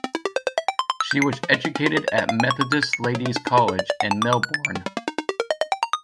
She was educated at Methodist Ladies' College in Melbourne.